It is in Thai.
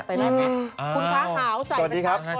คุณฟ้าขาวสวัสดีครับ